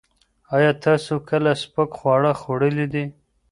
ایا تاسو کله سپک خواړه خوړلي دي؟